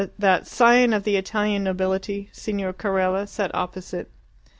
That scion of the Italian nobility, Signor Carella, sat opposite.